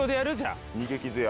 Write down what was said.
逃げ傷や。